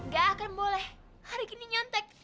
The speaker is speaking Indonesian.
gak akan boleh hari ini nyontek